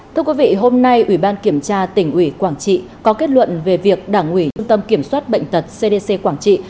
thưa quý vị hôm nay ủy ban kiểm tra tỉnh ủy quảng trị có kết luận về việc đảng ủy trung tâm kiểm soát bệnh tật cdc quảng trị